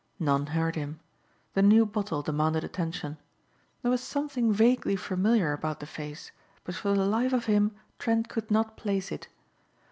None heard him. The new bottle demanded attention. There was something vaguely familiar about the face but for the life of him Trent could not place it.